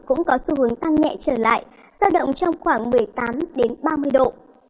cũng có xu hướng tăng nhẹ trở lại giao động trong khoảng một mươi tám ba mươi độ